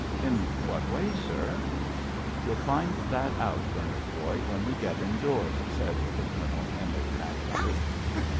"In what way, sir?" "You'll find that out, Bernard, boy, when we get indoors," said the Colonel enigmatically.